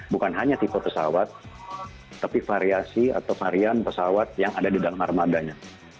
bukan hanya tipe pesawat tapi variasi atau varian pesawat yang ada di dalam armadanya